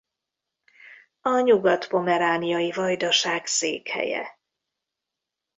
A Nyugat-pomerániai vajdaság székhelye.